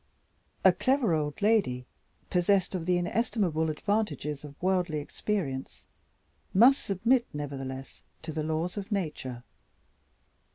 A clever old lady, possessed of the inestimable advantages of worldly experience, must submit nevertheless to the laws of Nature.